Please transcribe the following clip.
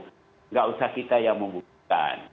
tidak usah kita yang membuktikan